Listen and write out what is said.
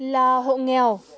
là hộ nghèo